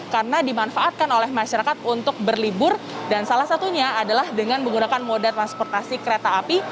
karena dimanfaatkan oleh masyarakat untuk berlibur dan salah satunya adalah dengan menggunakan modal transportasi kereta api